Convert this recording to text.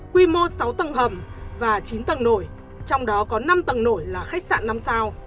quy mô sáu tầng hầm và chín tầng nổi trong đó có năm tầng nổi là khách sạn năm sao